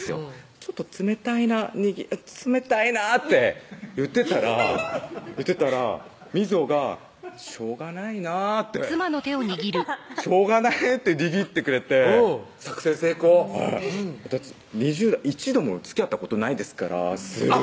「ちょっと冷たいな冷たいな」って言ってたら言ってたら瑞穂が「しょうがないなぁ」って「しょうがない」って握ってくれて作戦成功はい２０代一度もつきあったことないですからあっ